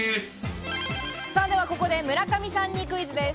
ではここで村上さんにクイズです。